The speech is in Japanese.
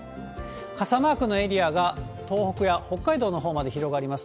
傘マークのエリアが東北や北海道のほうまで広がります。